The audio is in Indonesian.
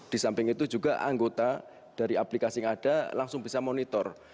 di samping itu juga anggota dari aplikasi yang ada langsung bisa monitor